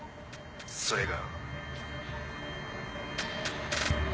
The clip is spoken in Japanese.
それが。